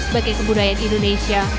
sebagai kebudayaan indonesia